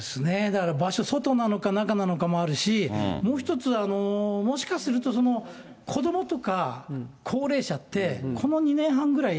だから場所、外なのか中なのかもあるし、もう一つ、もしかすると、子どもとか高齢者って、この２年半ぐらい、